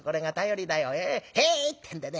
『へい』ってんでね